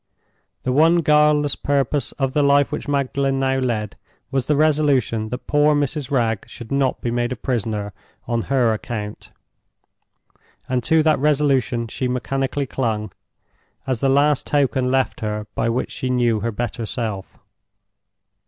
The one guileless purpose of the life which Magdalen now led was the resolution that poor Mrs. Wragge should not be made a prisoner on her account; and to that resolution she mechanically clung, as the last token left her by which she knew her better self.